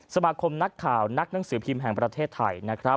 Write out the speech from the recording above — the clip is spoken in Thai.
สมาคมนักข่าวนักหนังสือพิมพ์แห่งประเทศไทยนะครับ